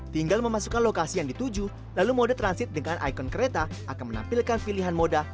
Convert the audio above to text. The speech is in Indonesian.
tinggal memasukkan lokasi yang dituju lalu mode transit dengan ikon kereta akan menampilkan pilihan moda